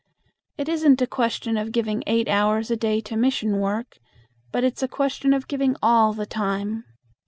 It isn't a question of giving eight hours a day to mission work, but it's a question of giving all the time.